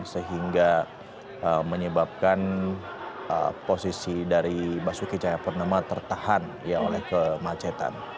sehingga menyebabkan posisi dari basuki cahayapurnama tertahan oleh kemacetan